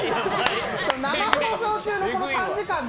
生放送中のこの短時間で。